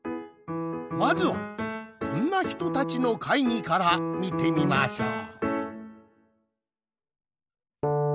まずはこんな人たちの会議からみてみましょう。